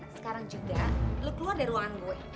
sekarang juga lu keluar dari ruangan gue